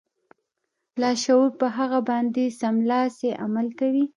لاشعور په هغه باندې سملاسي عمل کوي